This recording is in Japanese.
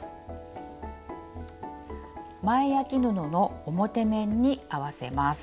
前あき布の表面に合わせます。